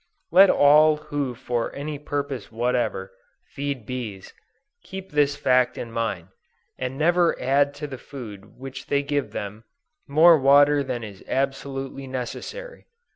Let all who for any purpose whatever, feed bees, keep this fact in mind, and never add to the food which they give them, more water than is absolutely necessary.